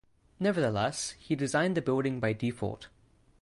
Nevertheless, he designed the building by default.